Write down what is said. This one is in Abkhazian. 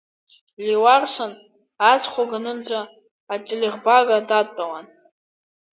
Леуарсан аҵхагәанынӡа ателербага дадтәалан.